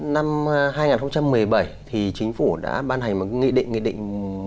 năm hai nghìn một mươi bảy thì chính phủ đã ban hành một nghị định nghị định một trăm linh bốn